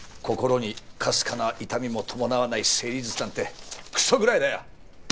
心にかすかな痛みも伴わない整理術なんてくそ食らえだよ！